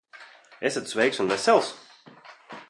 Esat sveiks un vesels?